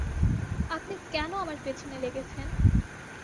আপনি কেন আমার পেছনে লেগেছেন?